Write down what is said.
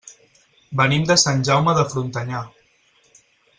Venim de Sant Jaume de Frontanyà.